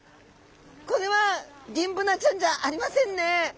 これはギンブナちゃんじゃありませんね。